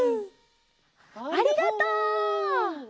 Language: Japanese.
ありがとう！